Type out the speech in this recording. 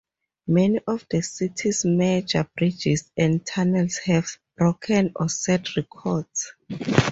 Many of the city's major bridges and tunnels have broken or set records.